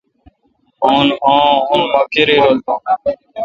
آں ۔۔۔مہ کیرای رل دون